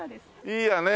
いいよね。